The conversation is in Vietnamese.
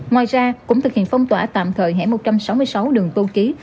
ngoài ra cũng thực hiện phong tỏa tạm thời hẻ một trăm sáu mươi sáu đường tô ký